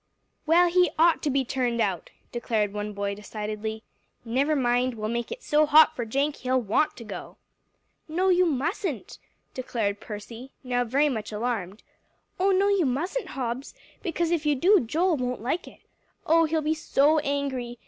"Well, he ought to be turned out," declared one boy decidedly. "Never mind, we'll make it so hot for that Jenk, he'll want to go." "No, you mustn't," declared Percy, now very much alarmed. "Oh, no, you mustn't, Hobbs; because, if you do, Joel won't like it. Oh, he'll be so angry!